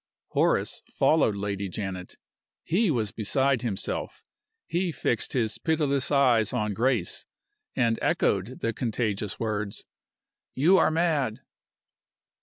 Horace followed Lady Janet. He was beside himself. He fixed his pitiless eyes on Grace, and echoed the contagious words: "You are mad!"